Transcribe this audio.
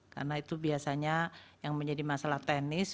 karena itu biasanya yang menjadi masalah teknis